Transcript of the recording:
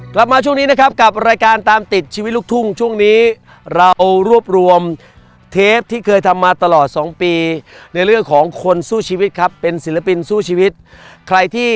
กลับมาช่วงนี้นะครับกับรายการตามติดชีวิตลูกทุ่งช่วงนี้เรารวบรวมเทปที่เคยทำมาตลอดสองปีในเรื่องของคนสู้ชีวิตครับเป็นศิลปินสู้ชีวิตใครที่